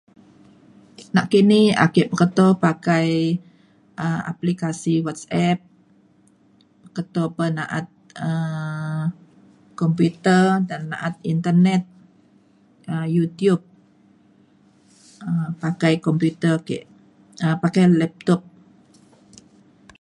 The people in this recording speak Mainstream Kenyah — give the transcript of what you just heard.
Nakini ake peketo pakai um aplikasi WhatsApp keto pe na’at um komputer na’at internet um Youtube um pakai komputer ke um pakai laptop.